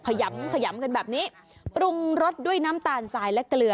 ขยำขยำกันแบบนี้ปรุงรสด้วยน้ำตาลทรายและเกลือ